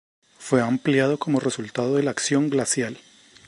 Fue ampliado como resultado de la acción glacial.